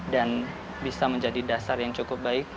dan bisa menjadi dasar yang cukup baik